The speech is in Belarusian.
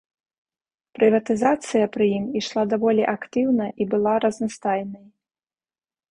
Прыватызацыя пры ім ішла даволі актыўна і была разнастайнай.